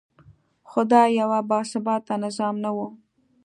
خو دا یو باثباته نظام نه و.